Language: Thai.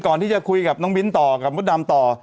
ก่อนที่จะคุยกับน้องมิ้นต่อกับมดดำต่อ